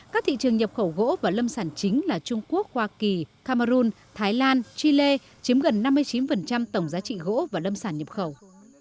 các thị trường nhập khẩu gỗ và lâm sản chính là trung quốc hoa kỳ cameroon thái lan chile chiếm gần năm mươi chín tổng giá trị gỗ và lâm sản nhập khẩu